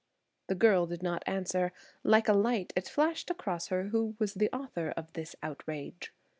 The girl did not answer. Like a light it flashed across her who was the author of this outrage.